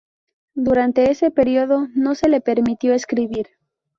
Durante ese periodo no se le permitió escribir.